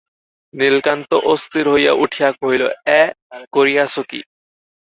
নীলকান্ত অস্থির হইয়া উঠিয়া কহিল–অ্যাঁ, করিয়াছ কী!